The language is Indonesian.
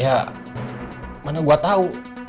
ya mana gue tau